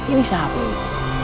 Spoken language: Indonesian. ini siapa ini